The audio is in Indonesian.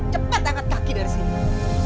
cepat angkat kaki dari sini